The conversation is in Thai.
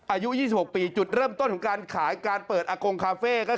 อายุ๒๖ปีจุดเริ่มต้นของการขายการเปิดอากงคาเฟ่ก็คือ